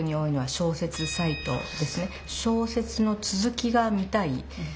小説の続きが見たい。